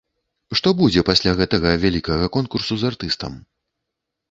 Што будзе пасля гэтага вялікага конкурсу з артыстам?